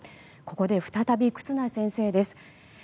ここで再び忽那先生です。